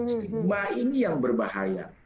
stigma ini yang berbahaya